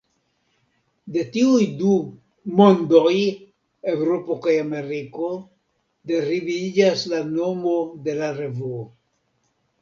De tiuj du "mondoj", Eŭropo kaj Ameriko, deriviĝas la nomo de la revuo.